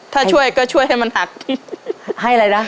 ถ้าช่วยก็ช่วยให้มันหักให้อะไรนะ